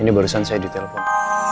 ini barusan saya ditelepon